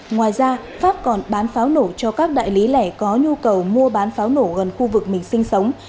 ngoài ra pháp còn bán pháo nổ cho các đại lý lẻ có nhu cầu mua bán pháo nổ gần khu vực mình sinh sống